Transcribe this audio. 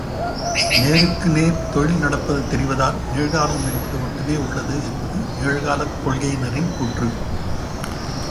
நேருக்கு நேர் தொழில் நடப்பது தெரிவதால் நிகழ்காலம் என்பது மட்டுமே உள்ளது என்பது நிகழ்காலக் கொள்கையினரின் கூற்று.